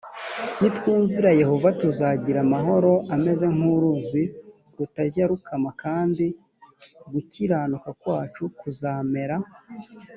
nitwumvira yehova tuzagira amahoro ameze nk uruzi rutajya rukama kandi gukiranuka kwacu kuzamera